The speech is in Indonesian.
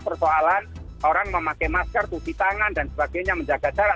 persoalan orang memakai masker cuci tangan dan sebagainya menjaga jarak